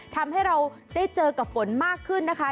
ทำให้เราได้เจอกับฝนมากขึ้นนะคะ